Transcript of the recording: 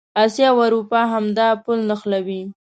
اسیا او اروپا همدا پل نښلوي.